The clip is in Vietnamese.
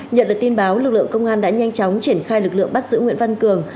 nhận được tin báo lực lượng công an đã nhanh chóng triển khai lực lượng bắt giữ nguyễn văn cường